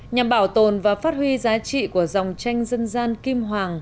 nhằm bảo tồn và phát huy giá trị của dòng tranh dân gian kim hoàng